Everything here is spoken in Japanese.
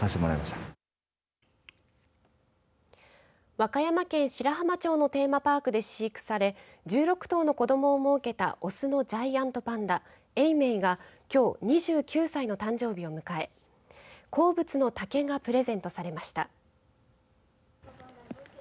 和歌山県白浜町のテーマパークで飼育され１６頭の子どもをもうけたオスのジャイアントパンダ永明がきょう２９歳の誕生日を迎え好物の竹がプレゼントされました。